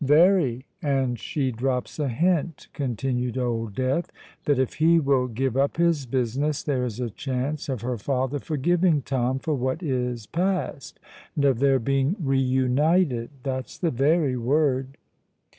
"Very. And she drops a hint," continued Old Death, "that if he will give up his business, there is a chance of her father forgiving Tom for what is past, and of their being re united—that's the very word."